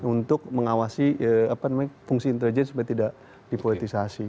untuk mengawasi fungsi intelijen supaya tidak dipolitisasi